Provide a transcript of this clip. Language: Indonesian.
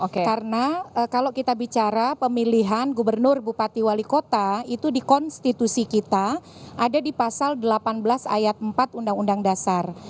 karena kalau kita bicara pemilihan gubernur bupati wali kota itu di konstitusi kita ada di pasal delapan belas ayat empat undang undang dasar